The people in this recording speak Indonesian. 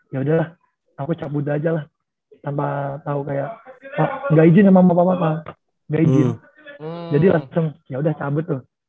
ya udahlah aku cabut aja lah tanpa tahu kayak gak izin sama bapak bapak nggak izin jadi langsung ya udah cabut tuh